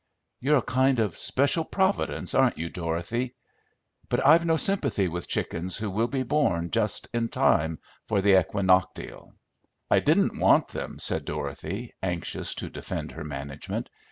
"You're a kind of special providence, aren't you, Dorothy? But I've no sympathy with chickens who will be born just in time for the equinoctial." "I didn't want them," said Dorothy, anxious to defend her management.